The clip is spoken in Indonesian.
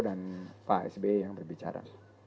dan pak sbi yang berbicara